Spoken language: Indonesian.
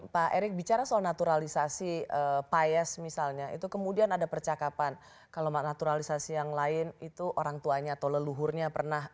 pak erick bicara soal naturalisasi payes misalnya itu kemudian ada percakapan kalau mak naturalisasi yang lain itu orang tuanya atau leluhurnya pernah